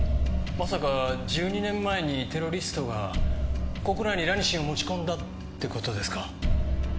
まさか１２年前にテロリストが国内にラニシンを持ち込んだって事ですか？